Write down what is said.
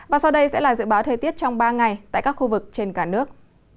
và sau đây sẽ là dự báo thời tiết trong ba ngày tại các khu vực trên cả nước